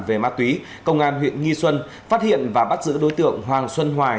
về ma túy công an huyện nghi xuân phát hiện và bắt giữ đối tượng hoàng xuân hoài